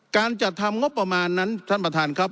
การจัดทำงบประมาณนั้นท่านประธานครับ